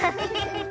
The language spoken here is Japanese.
フフフ。